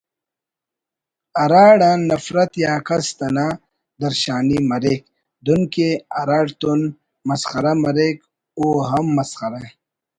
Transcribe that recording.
ہراڑان نفرت یا کست انا درشانی مریک دن کہ ہراڑتون مسخرہ مریک او ہم مسخرہ